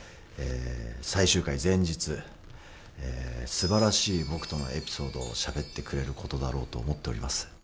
最終回前日すばらしい僕とのエピソードをしゃべってくれることだろうと思っております。